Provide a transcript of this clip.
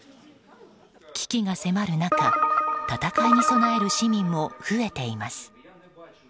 危機が迫る中戦いに備える市民も増えています。